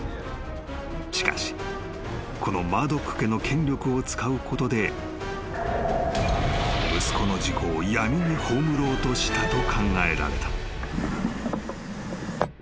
［しかしこのマードック家の権力を使うことで息子の事故を闇に葬ろうとしたと考えられた］